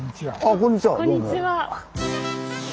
こんにちは。